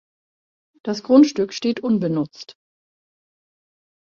Das Grundstück steht unbenutzt.